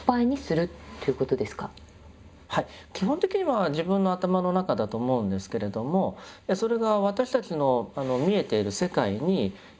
基本的には自分の頭の中だと思うんですけれどもそれが私たちの見えている世界に遍満していると。